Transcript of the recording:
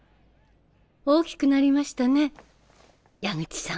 大きくなりましたね矢口さん。